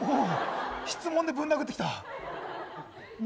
質問でぶん殴ってきた。